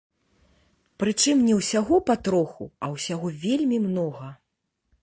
Прычым не ўсяго па троху, а ўсяго вельмі многа.